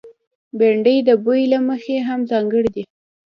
بېنډۍ د بوي له مخې هم ځانګړې ده